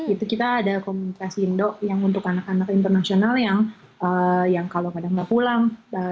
itu kita ada komunitas indo yang untuk anak anak internasional yang kalau pada nggak pulang